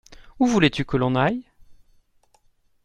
Où voulais-tu que l’on aille ?